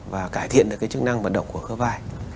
và cải thiện được cái chức năng vận động của khớp vai